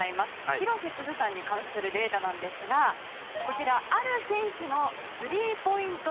広瀬すずさんに関するデータなんですがこちら、ある選手のスリーポイント